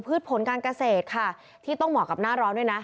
ผลการเกษตรค่ะที่ต้องเหมาะกับหน้าร้อนด้วยนะ